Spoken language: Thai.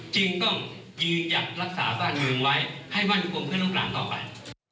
จึงต้องยืนหยัดรักษาบ้านเมืองไว้ให้บ้านยุคมเพื่อนลูกหลานต่อไป